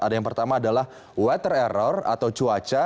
ada yang pertama adalah weather error atau cuaca